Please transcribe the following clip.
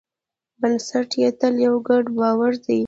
بنسټ یې تل یو ګډ باور دی.